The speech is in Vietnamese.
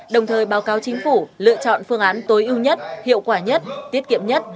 đồng thời báo cáo chính phủ lựa chọn phương án tối ưu nhất hiệu quả nhất tiết kiệm nhất